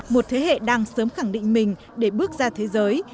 một thế hệ đang sớm khẳng định mình để bước ra thế giới